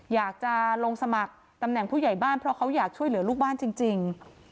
อยากจะลงสมัครตำแหน่งผู้ใหญ่บ้านเพราะเขาอยากช่วยเหลือลูกบ้านจริง